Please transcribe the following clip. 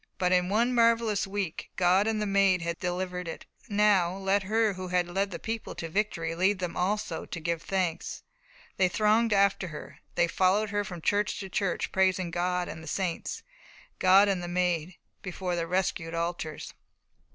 But in one marvellous week God and the Maid had delivered it. Now let her who had led the people to victory lead them also to give thanks. They thronged after her. They followed her from church to church, praising God and the saints, God and the Maid, before their rescued altars.